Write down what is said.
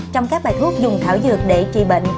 trong các bài thuốc dùng thảo dược để trị bệnh